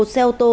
một xe ô tô